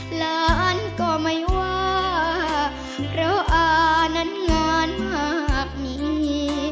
หลานก็ไม่ว่าเพราะอานั้นงานมากมี